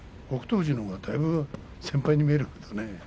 富士のほうがだいぶ先輩に見えるけどね。